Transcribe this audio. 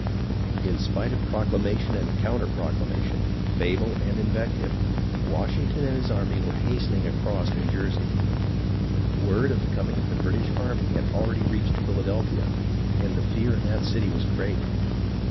In spite of proclamation and counter proclamation, fable and invective, Washington and his army were hastening across New Jersey. Word of the coming of the British army had already reached Philadelphia, and the fear in that city was great.